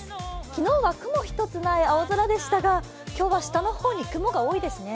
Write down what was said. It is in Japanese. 昨日は雲１つない青空でしたが今日は下の方に雲が多いですね。